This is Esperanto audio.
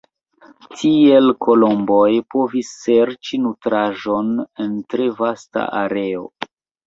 Tiel kolomboj povis serĉi nutraĵon en tre vasta areo.